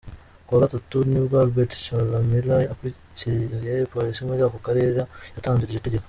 Ku wa gatatu, nibwo Albert Chalamila ukuriye polisi muri ako karera yatanze iryo tegeko.